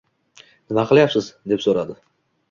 Nima qilyapsan? — deb so‘radi